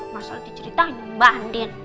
mas ali ceritanya bandit